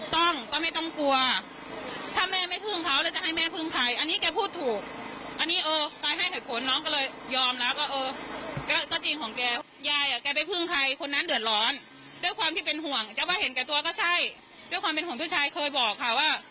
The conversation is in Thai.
แต่ตัวก็ใช่ด้วยความเป็นของพี่ชายเคยบอกค่ะว่า